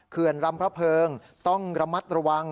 รำพระเพิงต้องระมัดระวัง